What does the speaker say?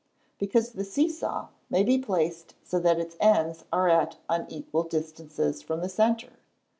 _ Because the "see saw" may be placed so that its ends are at unequal distances from the centre.